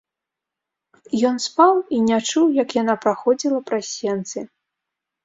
Ён спаў і не чуў, як яна праходзіла праз сенцы.